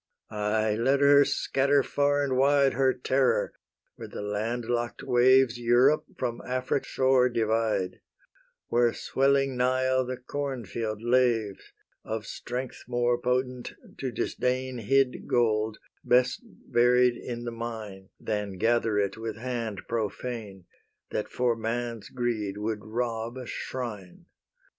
Aye, let her scatter far and wide Her terror, where the land lock'd waves Europe from Afric's shore divide, Where swelling Nile the corn field laves Of strength more potent to disdain Hid gold, best buried in the mine, Than gather it with hand profane, That for man's greed would rob a shrine.